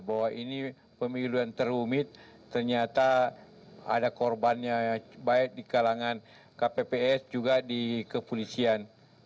bahwa ini pemilu yang terumit ternyata ada korbannya baik di kalangan kpps juga di kepolisian